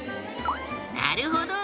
なるほど。